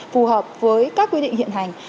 phù hợp với các quy định hiện hành